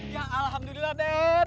ya alhamdulillah den